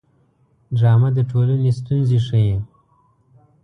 ډرامه د ټولنې ستونزې ښيي